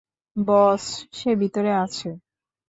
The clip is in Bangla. বস, সে ভিতরে আছে।